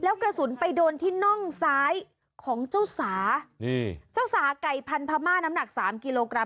แล้วกระสุนไปโดนที่น่องซ้ายของเจ้าสานี่เจ้าสาไก่พันธม่าน้ำหนักสามกิโลกรัม